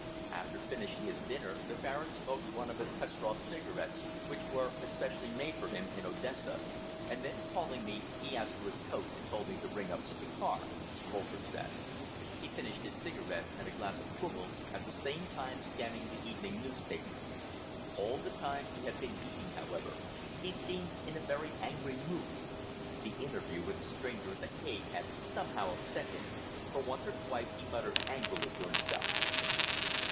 "After finishing his dinner the Baron smoked one of his Petroff cigarettes which were especially made for him in Odessa, and then calling me, he asked for his coat and told me to ring up for the car," Folcker said. "He finished his cigarette and a glass of kümmel, at the same time scanning the evening newspaper. All the time he had been eating, however, he seemed in a very angry mood. The interview with the stranger at The Hague had somehow upset him, for once or twice he muttered angrily to himself."